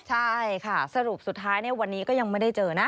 ใช่ค่ะสรุปสุดท้ายวันนี้ก็ยังไม่ได้เจอนะ